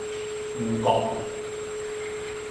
芋角